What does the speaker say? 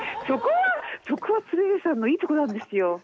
そこはそこは鶴瓶さんのいいとこなんですよ。